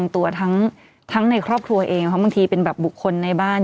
ตัวทั้งในครอบครัวเองเพราะบางทีเป็นแบบบุคคลในบ้าน